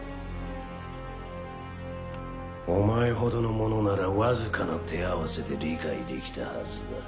お前ほどの者ならわずかな手合わせで理解できたはずだ。